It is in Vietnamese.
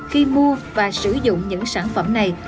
khi mua và sử dụng những sản phẩm này